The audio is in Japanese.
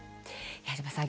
矢島さん